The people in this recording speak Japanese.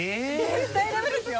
絶対ダメですよ！